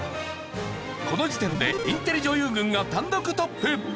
この時点でインテリ女優軍が単独トップ。